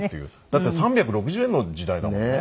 だって３６０円の時代だもんね。